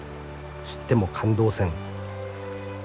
知っても感動せん。